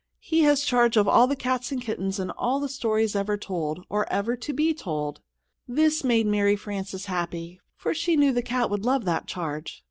"He has charge of all the cats and kittens in all the stories ever told, or ever to be told." This made Mary Frances happy, for she knew the cat would love that charge.